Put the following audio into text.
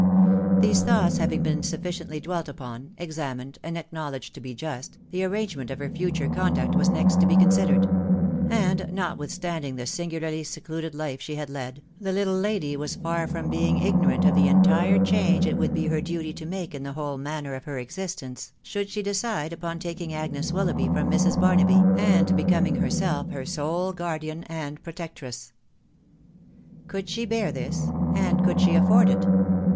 These thoughts having been sufficiently dwelt upon, ex* amined, and acknowledged to be just, the arrangement ef her future conduct was next to be considered ; and, notwithstand ing the singularly secluded life she had led, the little lady was far from being ignorant of the entire change it would be her duty to make in the whole manner of her existence, should she decide upon taking Agnes Willoughby from Mrs. Barnaby, and becoming herself her sole guardian and protectress. Could she bear this ?.... and could she afford it?